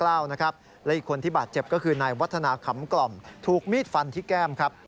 และอีกคนที่บาดเจ็บก็คือนายวัฒนาขำกล่อมถูกมีดฟันที่แก้มครับ